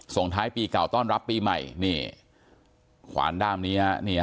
ส่งท้ายปีเก่าต้อนรับปีใหม่นี่ขวานด้ามนี้ฮะ